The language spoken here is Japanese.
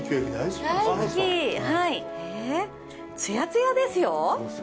つやつやですよ。